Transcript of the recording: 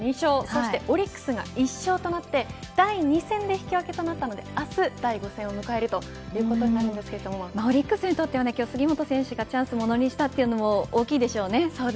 そしてオリックスが１勝となって第２戦で引き分けとなったので明日第５戦を迎えるということになるんですがオリックスにとっては杉本選手がチャンスをものにしたのも大きいでしょうね。